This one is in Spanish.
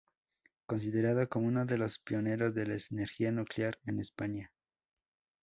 Considerado como uno de los pioneros de la energía nuclear en España.